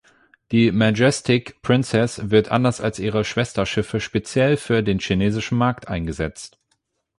Die "Majestic Princess" wird anders als ihre Schwesterschiffe speziell für den chinesischen Markt eingesetzt.